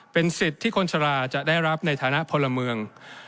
เป็นสิทธิ์ที่คนชราจะได้รับในฐานะพลเมือง